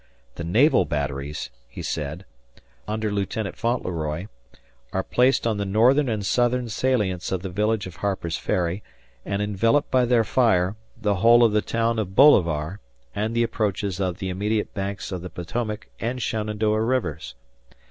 The Naval Batteries," he said, "under Lieutenant Fauntleroy, are placed on the northern and southern salients of the village of Harper's Ferry and envelop by their fire the whole of the town of Bolivar and the approaches of the immediate banks of the Potomac and Shenandoah rivers.